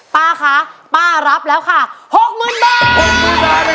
ป้าคะป้ารับแล้วค่ะ๖๐๐๐บาท